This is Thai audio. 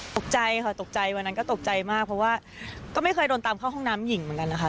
ตกใจค่ะตกใจวันนั้นก็ตกใจมากเพราะว่าก็ไม่เคยโดนตามเข้าห้องน้ำหญิงเหมือนกันนะคะ